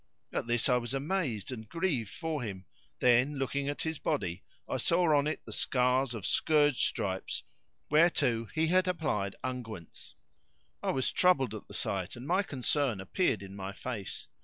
At this I was amazed and grieved for him: then, looking at his body, I saw on it the scars of scourge stripes whereto he had applied unguents. I was troubled at the sight and my concern appeared in my face.